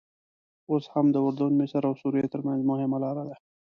اوس هم د اردن، مصر او سوریې ترمنځ مهمه لاره ده.